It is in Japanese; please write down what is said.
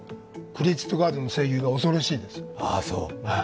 クレジットカードの請求が恐ろしいです。